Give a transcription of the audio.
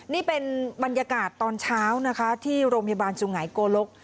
นี่เป็นบรรยากาศตอนเช้านะคะที่โรงพยาบาลสุงหายโกลก